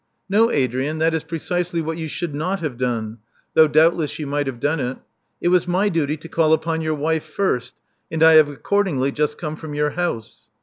No, Adrian, that is precisely what you should not have done, though doubtless you might have done it. It was my duty to call upon your wife first; and I have accordingly just come from your house."